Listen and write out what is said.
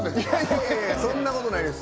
いやいやいやそんなことないです